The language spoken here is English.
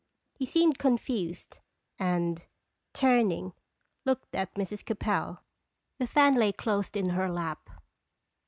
He seemed confused, and, turning, looked at Mrs. Capel. The fan lay closed in her lap.